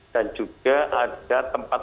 dan juga ada tempat